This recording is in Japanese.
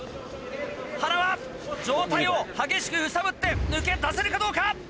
塙上体を激しく揺さぶって抜け出せるかどうか。